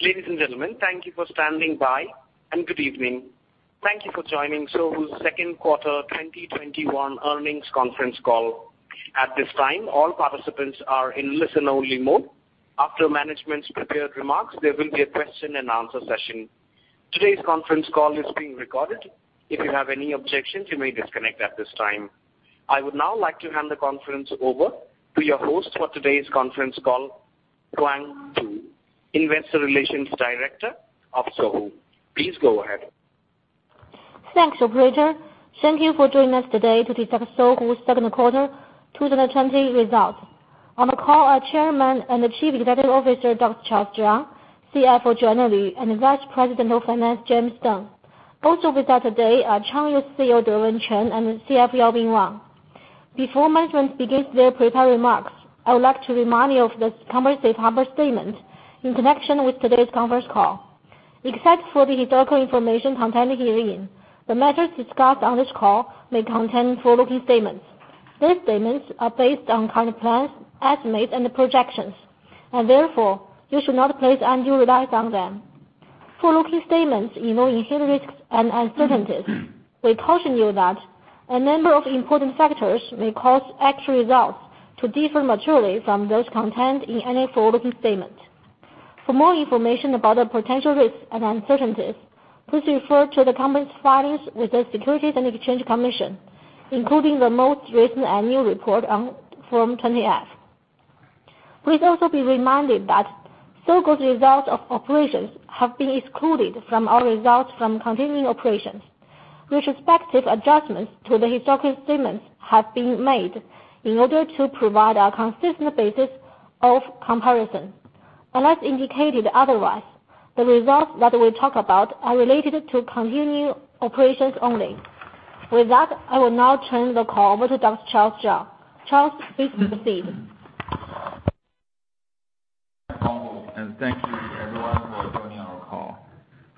Ladies and gentlemen, thank you for standing by, and good evening. Thank you for joining Sohu's Second Quarter 2021 Earnings Conference Call. At this time, all participants are in listen-only mode. After management's prepared remarks, there will be a question-and-answer session. Today's conference call is being recorded. If you have any objections, you may disconnect at this time. I would now like to hand the conference over to your host for today's conference call, Huang Pu, Investor Relations Director of Sohu. Please go ahead. Thanks, operator. Thank you for joining us today to discuss Sohu's Second Quarter 2020 Results. On the call are Chairman and Chief Executive Officer, Dr. Charles Zhang, Chief Financial Officer Joanna Lv, and Vice President of Finance, James Deng. Also with us today are Changyou Chief Executive Officer Dewen Chen and Chief Financial Officer, Yaobin Wang. Before management begins their prepared remarks, I would like to remind you of the company's safe harbor statement in connection with today's conference call. Except for the historical information contained herein, the matters discussed on this call may contain forward-looking statements. These statements are based on current plans, estimates, and projections, and therefore, you should not place undue reliance on them. Forward-looking statements involve inherent risks and uncertainties. We caution you that a number of important factors may cause actual results to differ materially from those contained in any forward-looking statement. For more information about the potential risks and uncertainties, please refer to the company's filings with the Securities and Exchange Commission, including the most recent annual report on Form 20-F. Please also be reminded that Sohu's results of operations have been excluded from our results from continuing operations. Retrospective adjustments to the historical statements have been made in order to provide a consistent basis of comparison. Unless indicated otherwise, the results that we talk about are related to continuing operations only. With that, I will now turn the call over to Dr. Charles Zhang. Charles, please proceed. Thank you everyone for joining our call.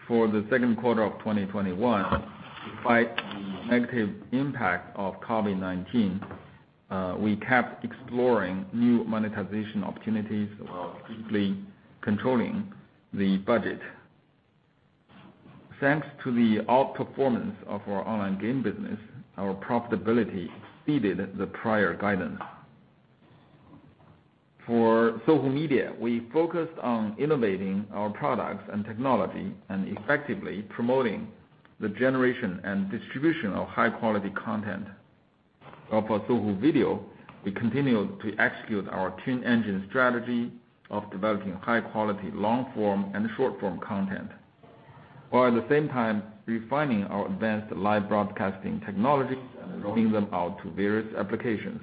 For the second quarter of 2021, despite the negative impact of COVID-19, we kept exploring new monetization opportunities while strictly controlling the budget. Thanks to the out-performance of our online game business, our profitability exceeded the prior guidance. For Sohu Media, we focused on innovating our products and technology and effectively promoting the generation and distribution of high-quality content. For Sohu Video, we continued to execute our twin engine strategy of developing high-quality long-form and short-form content, while at the same time refining our advanced live broadcasting technologies and rolling them out to various applications.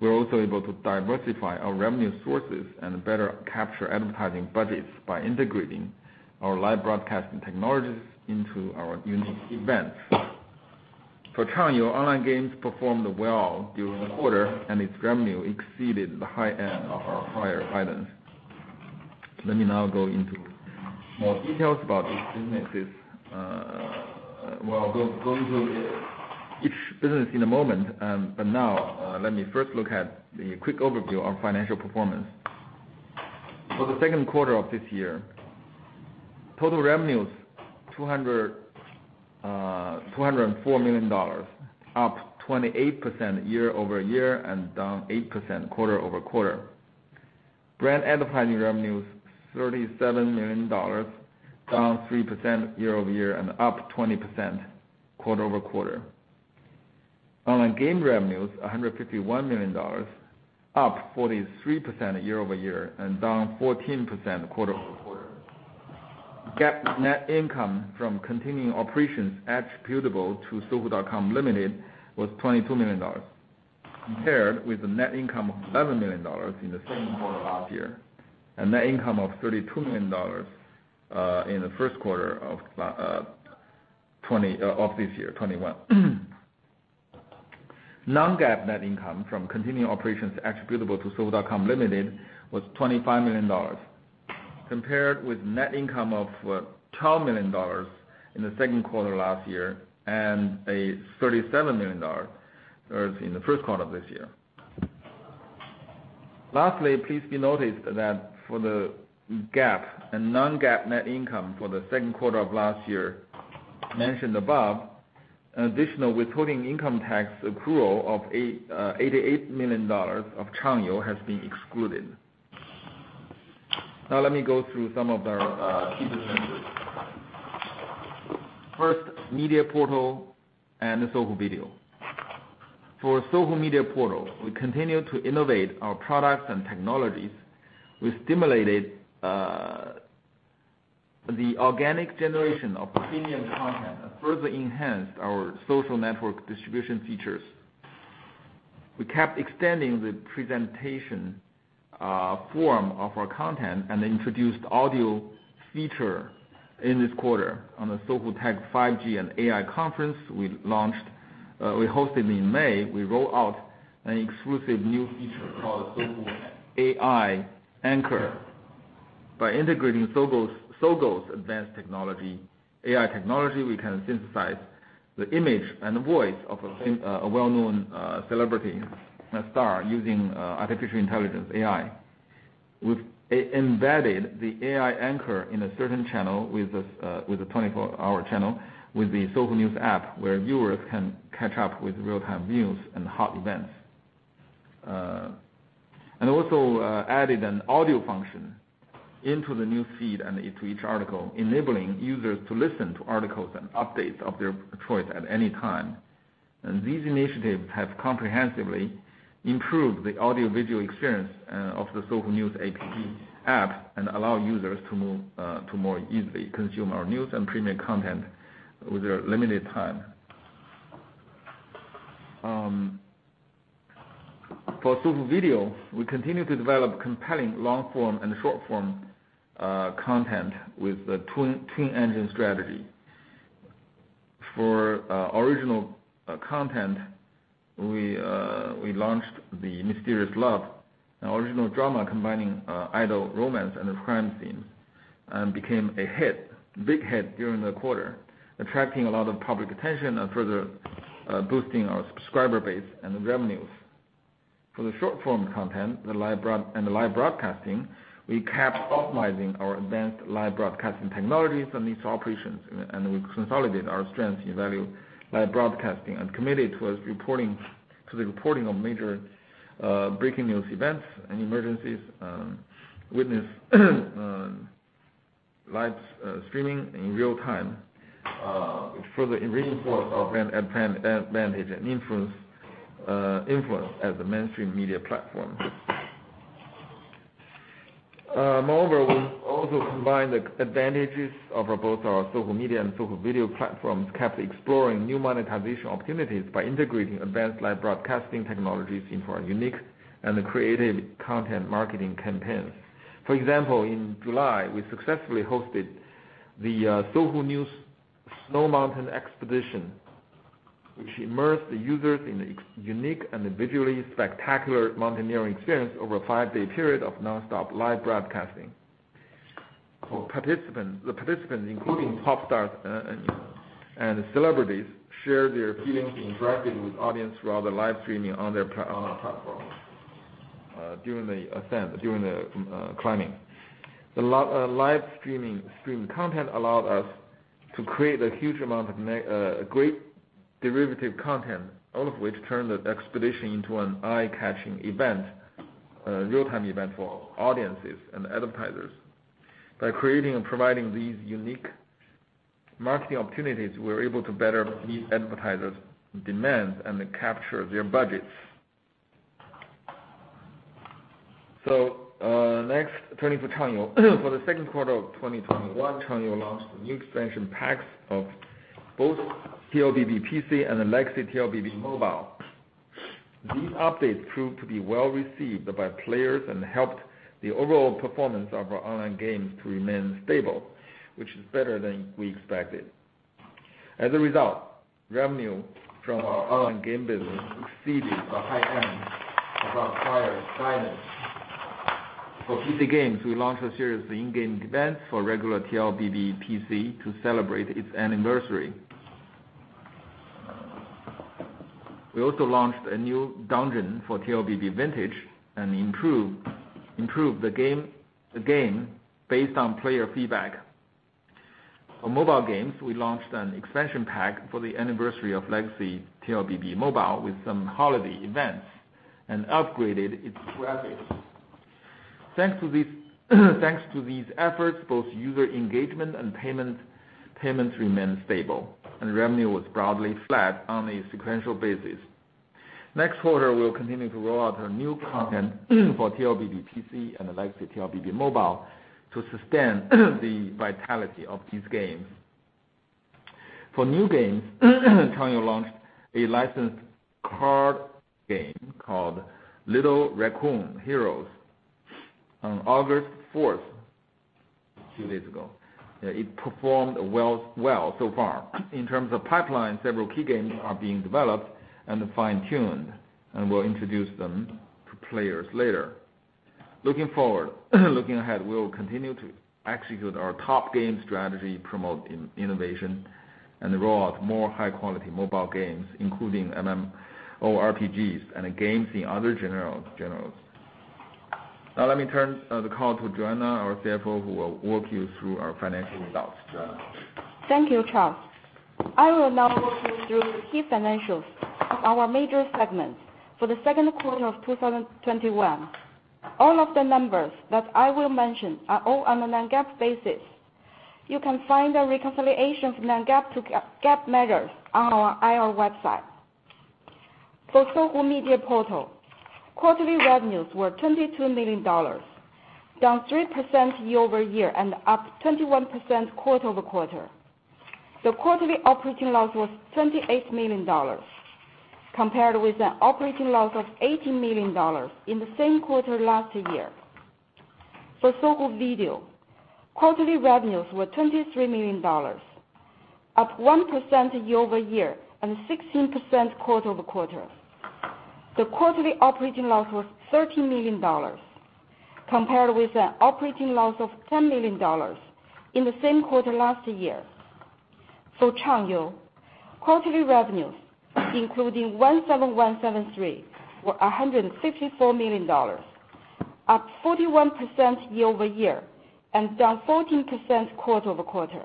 We're also able to diversify our revenue sources and better capture advertising budgets by integrating our live broadcasting technologies into our unique events. For Changyou, online games performed well during the quarter, and its revenue exceeded the high end of our prior guidance. Let me now go into more details about these businesses. We'll go into each business in a moment, but now, let me first look at the quick overview of financial performance. For the second quarter of this year, total revenue is $204 million, up 28% year-over-year and down 8% quarter-over-quarter. Brand advertising revenue is $37 million, down 3% year-over-year and up 20% quarter-over-quarter. Online game revenue is $151 million, up 43% year-over-year and down 14% quarter-over-quarter. GAAP net income from continuing operations attributable to Sohu.com Limited was $22 million, compared with the net income of $11 million in the second quarter last year, and net income of $32 million in the first quarter of this year, 2021. Non-GAAP net income from continuing operations attributable to Sohu.com Limited was $25 million, compared with net income of $12 million in the second quarter last year and $37 million in the first quarter of this year. Lastly, please be noticed that for the GAAP and non-GAAP net income for the second quarter of last year mentioned above, an additional withholding income tax accrual of $88 million of Changyou has been excluded. Now let me go through some of our key businesses. First, Media Portal and Sohu Video. For Sohu Media Portal, we continued to innovate our products and technologies. We stimulated the organic generation of premium content and further enhanced our social network distribution features. We kept extending the presentation form of our content and introduced audio feature in this quarter on the Sohu Tech 5G and AI Conference we hosted in May. We rolled out an exclusive new feature called Sohu AI Anchor. By integrating Sohu's advanced technology, AI technology, we can synthesize the image and the voice of a well-known celebrity star using artificial intelligence, AI. We've embedded the AI anchor in a certain channel, with a 24-hour channel, with the Sohu News app, where viewers can catch up with real-time news and hot events. Also added an audio function into the news feed and into each article, enabling users to listen to articles and updates of their choice at any time. These initiatives have comprehensively improved the audio-visual experience of the Sohu News app, and allow users to more easily consume our news and premium content with their limited time. For Sohu Video, we continue to develop compelling long form and short form content with the twin engine strategy. For original content, we launched The Mysterious Love, an original drama combining idol, romance, and crime themes, and became a big hit during the quarter, attracting a lot of public attention and further boosting our subscriber base and revenues. For the short form content and the live broadcasting, we kept optimizing our advanced live broadcasting technologies and its operations, and we consolidate our strength in live broadcasting and committed to the reporting of major breaking news events and emergencies witness live streaming in real time. It further reinforce our brand advantage and influence as a mainstream media platform. Moreover, we've also combined the advantages of both our Sohu Media and Sohu Video platforms, kept exploring new monetization opportunities by integrating advanced live broadcasting technologies into our unique and creative content marketing campaigns. For example, in July, we successfully hosted the Sohu News Snow Mountain Expedition, which immersed the users in a unique and visually spectacular mountaineering experience over a five-day period of non-stop live broadcasting. The participants, including pop stars and celebrities, shared their feelings interacting with audience throughout the live streaming on our platform during the ascent, during the climbing. The live stream content allowed us to create a great derivative content, all of which turned the expedition into an eye-catching event, a real-time event for audiences and advertisers. By creating and providing these unique marketing opportunities, we're able to better meet advertisers' demands and capture their budgets. Next, turning to Changyou. For the second quarter of 2021, Changyou launched new expansion packs of both TLBB PC and Legacy TLBB Mobile. These updates proved to be well received by players and helped the overall performance of our online games to remain stable, which is better than we expected. As a result, revenue from our online game business exceeded the high end of our prior guidance. For PC games, we launched a series of in-game events for regular TLBB PC to celebrate its anniversary. We also launched a new dungeon for TLBB Vintage and improved the game based on player feedback. For mobile games, we launched an expansion pack for the anniversary of Legacy TLBB Mobile with some holiday events and upgraded its graphics. Thanks to these efforts, both user engagement and payments remained stable, and revenue was broadly flat on a sequential basis. Next quarter, we'll continue to roll out our new content for TLBB PC and Legacy TLBB Mobile to sustain the vitality of these games. For new games, Changyou launched a licensed card game called Little Raccoon: Heroes on August 4th, two days ago. It performed well so far. In terms of pipeline, several key games are being developed and fine-tuned, and we'll introduce them to players later. Looking forward, looking ahead, we'll continue to execute our top game strategy, promote innovation and roll out more high-quality mobile games, including MMORPGs and games in other genres. Now, let me turn the call to Joanna, our Chief Financial Officer, who will walk you through our financial results. Joanna? Thank you, Charles. I will now walk you through the key financials of our major segments for the second quarter of 2021. All of the numbers that I will mention are all on a non-GAAP basis. You can find the reconciliation from non-GAAP to GAAP measures on our IR website. For Sohu Media Portal, quarterly revenues were $22 million, down 3% year-over-year and up 21% quarter-over-quarter. The quarterly operating loss was $28 million, compared with an operating loss of $18 million in the same quarter last year. For Sohu Video, quarterly revenues were $23 million, up 1% year-over-year and 16% quarter-over-quarter. The quarterly operating loss was $13 million compared with an operating loss of $10 million in the same quarter last year. For Changyou, quarterly revenues, including 17173, were $154 million, up 41% year-over-year and down 14% quarter-over-quarter.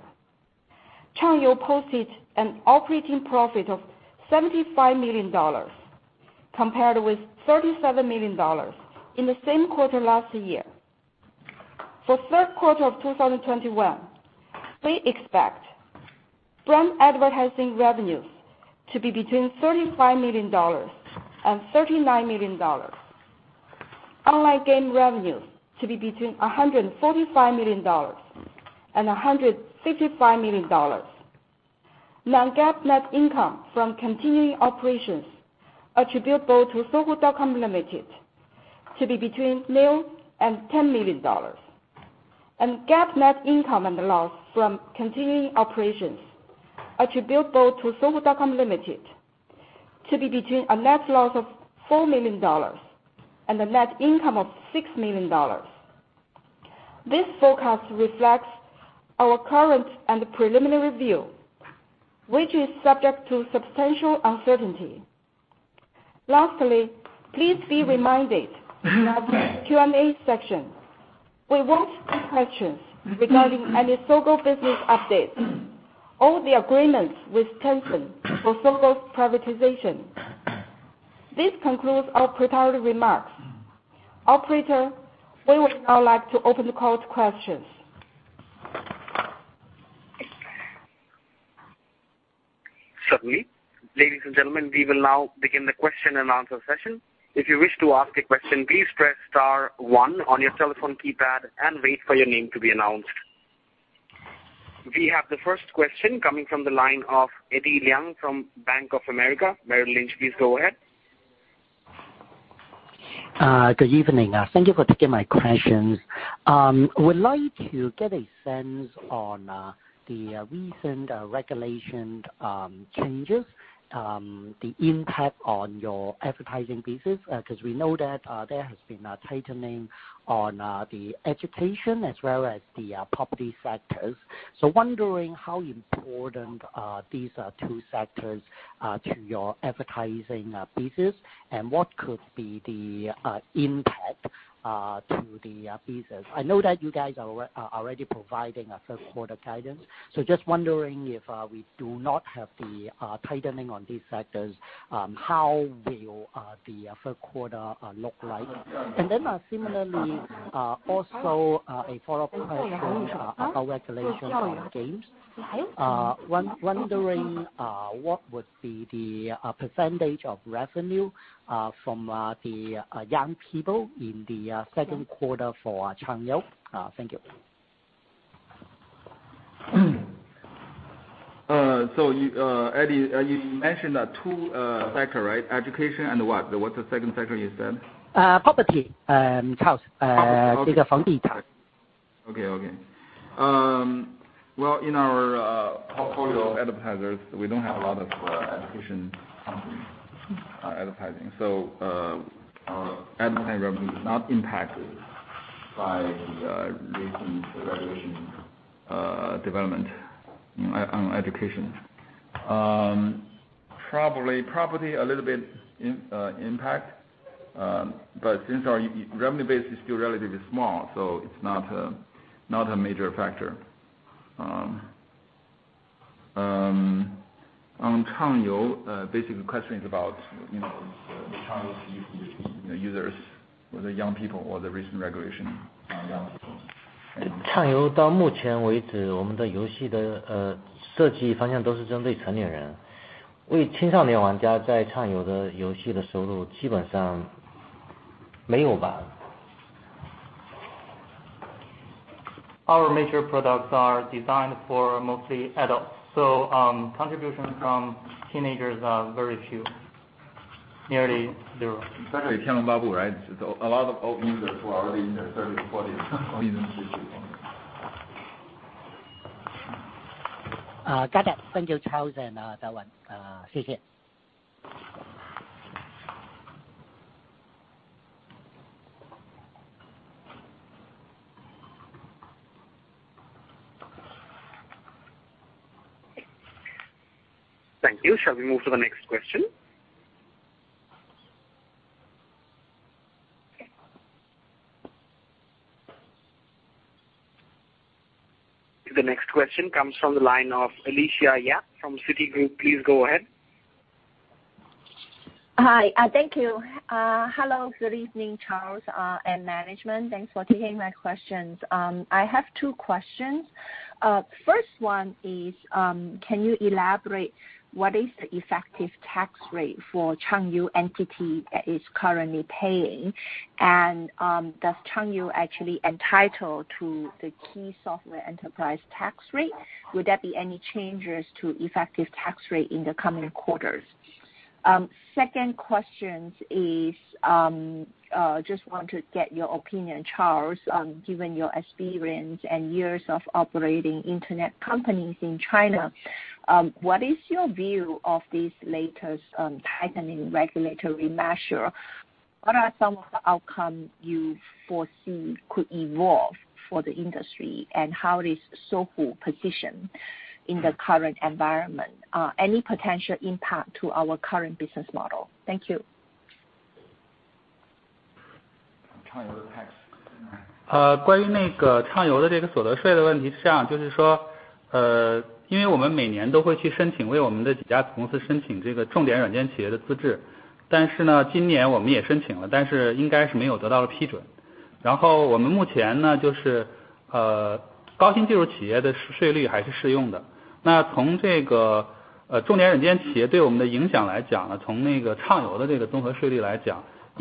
Changyou posted an operating profit of $75 million, compared with $37 million in the same quarter last year. For the third quarter of 2021, we expect strong advertising revenues to be between $35 million and $39 million, online game revenues to be between $145 million and $155 million, non-GAAP net income from continuing operations attributable to Sohu.com Limited to be between nil and $10 million, and GAAP net income and loss from continuing operations attributable to Sohu.com Limited to be between a net loss of $4 million and a net income of $6 million. This forecast reflects our current and preliminary view, which is subject to substantial uncertainty. Lastly, please be reminded that in the Q&A section, we won't take questions regarding any Sohu business updates or the agreements with Tencent for Sohu's privatization. This concludes our prepared remarks. Operator, we would now like to open the call to questions. Certainly. Ladies and gentlemen, we will now begin the question-and-answer session. If you wish to ask a question, please press star one on your telephone keypad and wait for your name to be announced. We have the first question coming from the line of Eddie Leung from Bank of America Merrill Lynch. Please go ahead. Good evening. Thank you for taking my questions. Would like to get a sense on the recent regulation changes, the impact on your advertising business. We know that there has been a tightening on the education as well as the property sectors. Wondering how important these two sectors are to your advertising business and what could be the impact to the business. I know that you guys are already providing a third quarter guidance. Just wondering if we do not have the tightening on these sectors, how will the third quarter look like? Similarly, also a follow-up question about regulation on games. Wondering what would be the percentage of revenue from the young people in the second quarter for Changyou. Thank you. Eddie, you mentioned two sectors, right? Education and what? What's the second sector you said? Property. House. Property. Well, in our portfolio of advertisers, we don't have a lot of education companies advertising. Our advertising revenue is not impacted by the recent regulation development on education. Probably property, a little bit impact. Since our revenue base is still relatively small, so it's not a major factor. On Changyou, basically the question is about Changyou's users, whether young people or the recent regulation on young people. Our major products are designed for mostly adults. contributions from teenagers are very few, nearly zero. A lot of old users who are already in their 30s or 40s, or even 50s. Got it. Thank you, Charles, and Dewen. Thank you. Shall we move to the next question? The next question comes from the line of Alicia Yap from Citigroup. Please go ahead. Hi. Thank you. Hello. Good evening, Charles and management. Thanks for taking my questions. I have two questions. First one is, can you elaborate what is the effective tax rate for Changyou entity that is currently paying, and does Changyou actually entitled to the key software enterprise tax rate? Would there be any changes to effective tax rate in the coming quarters? Second question is, I just want to get your opinion, Charles, given your experience and years of operating internet companies in China. What is your view of this latest tightening regulatory measure? What are some of the outcomes you foresee could evolve for the industry, and how is Sohu positioned in the current environment? Any potential impact to our current business model? Thank you. Several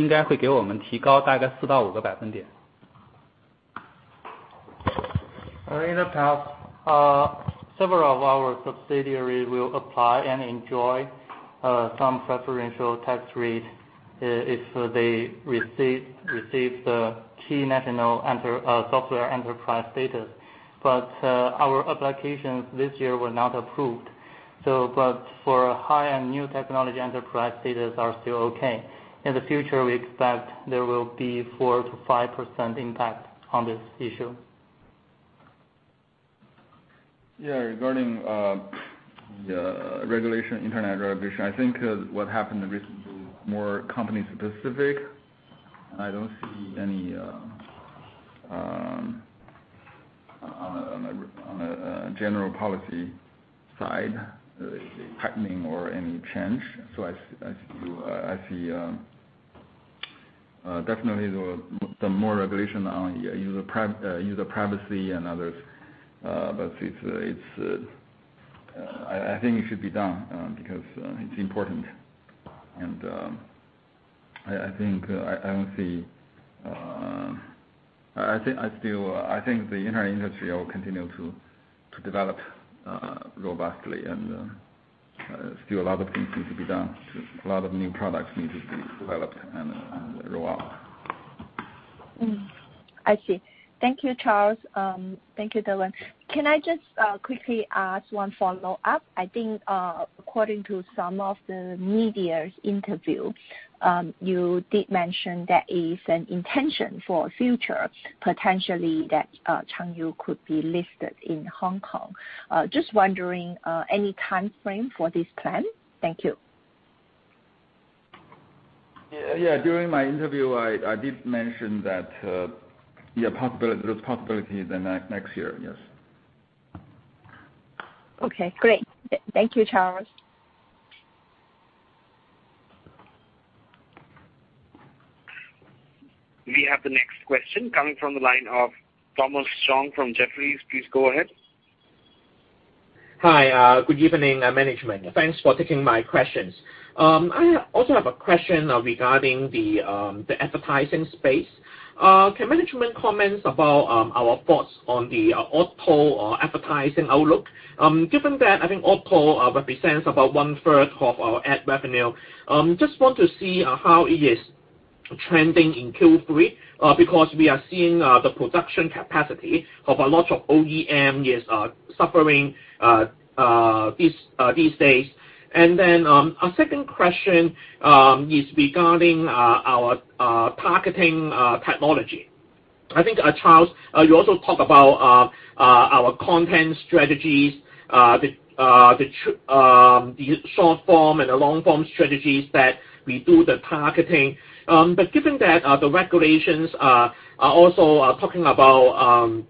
of our subsidiaries will apply and enjoy some preferential tax rates if they receive the Key National Software Enterprise status. Our applications this year were not approved. For High and New Technology Enterprise, status are still okay. In the future, we expect there will be 4%-5% impact on this issue. Yeah. Regarding the regulation, internet regulation, I think what happened recently is more company specific. I don't see any, on a general policy side, tightening or any change. I see definitely there were some more regulation on user privacy and others. I think it should be done, because it's important. I think the entire industry will continue to develop robustly and there's still a lot of things to be done. A lot of new products need to be developed and roll out. I see. Thank you, Charles. Thank you, Dewen. Can I just quickly ask one follow-up? I think according to some of the media's interview, you did mention there is an intention for future, potentially, that Changyou could be listed in Hong Kong. Just wondering, any timeframe for this plan? Thank you. Yeah. During my interview, I did mention that, yeah, there's possibility then next year, yes. Okay, great. Thank you, Charles. We have the next question coming from the line of Thomas Chong from Jefferies. Please go ahead. Hi. Good evening, management. Thanks for taking my questions. I also have a question regarding the advertising space. Can management comment about our thoughts on the auto or advertising outlook? Given that, I think auto represents about 1/3 of our ad revenue. Just want to see how it is trending in Q3, because we are seeing the production capacity of a lot of OEM is suffering these days. Our second question is regarding our targeting technology. I think, Charles Zhang, you also talk about our content strategies, the short form and the long form strategies that we do the targeting. Given that the regulations are also talking about,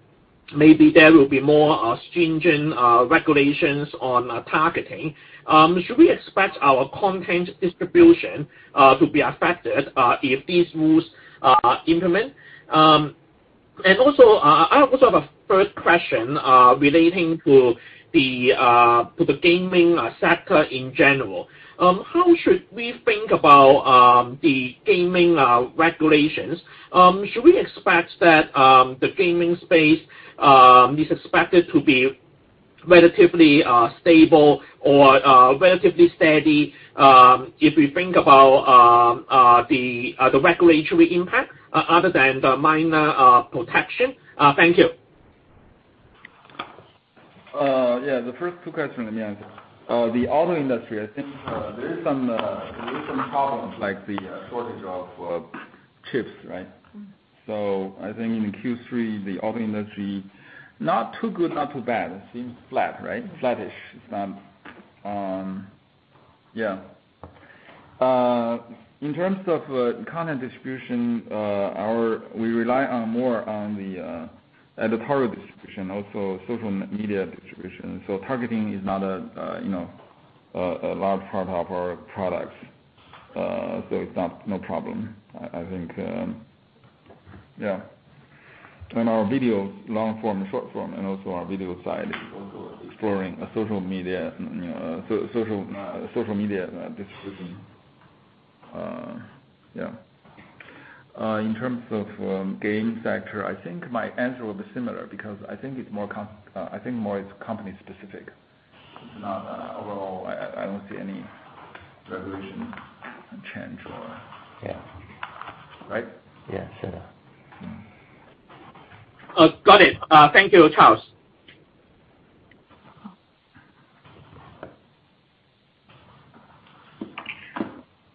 maybe there will be more stringent regulations on targeting, should we expect our content distribution to be affected if these rules are implement? Also, I also have a third question relating to the gaming sector in general. How should we think about the gaming regulations? Should we expect that the gaming space is expected to be relatively stable or relatively steady, if we think about the regulatory impact other than the minor protection? Thank you. Yeah. The first two questions, let me answer. The auto industry, I think there is some problems, like the shortage of chips, right? I think in Q3, the auto industry, not too good, not too bad. It seems flat, right? Flattish. Yeah. In terms of content distribution, we rely more on the editorial distribution, also social media distribution. Targeting is not a large part of our products, so it's no problem, I think. Yeah. Our videos, long form and short form, and also our video side is also exploring social media distribution. Yeah. In terms of game sector, I think my answer will be similar, because I think it's more company specific. It's not overall I don't see any regulation change or Yeah. Right? Yeah, sure. Got it. Thank you, Charles.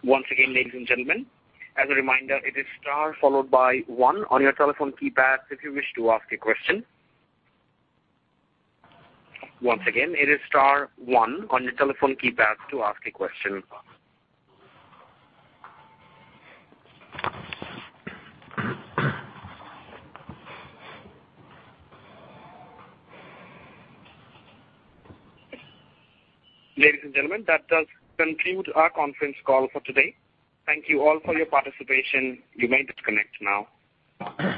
Once again, ladies and gentlemen, as a reminder, it is star followed by one on your telephone keypad if you wish to ask a question. Once again, it is star one on your telephone keypad to ask a question. Ladies and gentlemen, that does conclude our conference call for today. Thank you all for your participation. You may disconnect now.